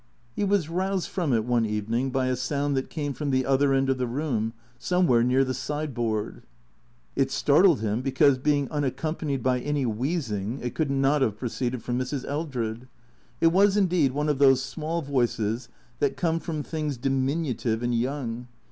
He was roused from it one evening by a sound that came from the other end of the room, somewhere near the sideboard. It startled him, because, being unaccompanied by any wheezing, it could not have proceeded from Mrs. Eldred. It was, indeed, one of those small voices that come from things diminutive and young.